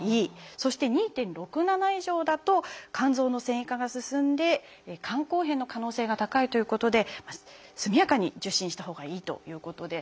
そして２．６７以上だと肝臓の線維化が進んで肝硬変の可能性が高いということで速やかに受診したほうがいいということで。